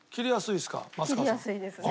切りやすいですか？